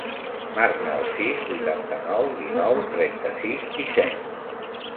Marca el sis, vuitanta-nou, dinou, trenta-sis, disset.